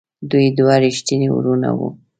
دوی دوه ریښتیني وروڼه وو.